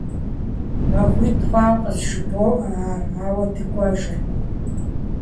Махуитӏ хъуауэ къызжыбоӏэ ар, ауэ дыкӏуэжыркъым…